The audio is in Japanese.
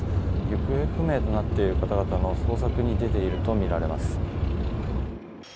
行方不明となっている方々の捜索に出ているとみられます。